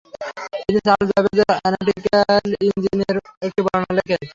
তিনি চার্লস ব্যাবেজের অ্যানালিটিক্যাল ইঞ্জিন-এর একটি বর্ণনা লেখেন।